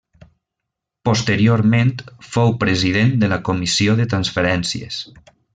Posteriorment fou president de la Comissió de Transferències.